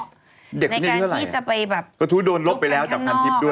ในแกช์ที่จะไปกดบอกกดถูกไปจากครั้งทิปด้วย